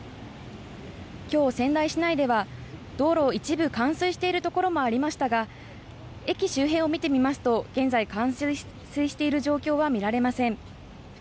今日、仙台市内では道路が一部冠水しているところもありましたが駅周辺を見てみますと現在、冠水している状況は見られません。